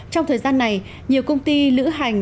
trong thời gian này nhiều công ty lữ hành